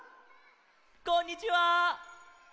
こんにちは！